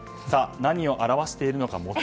何を表しているのか。